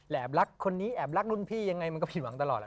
รักคนนี้แอบรักรุ่นพี่ยังไงมันก็ผิดหวังตลอดแล้ว